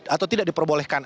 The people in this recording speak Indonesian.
atau tidak diperbolehkan